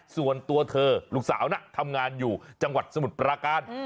ส่วนตัวเธอลูกสาวน่ะทำงานอยู่จังหวัดสมุทรปราการ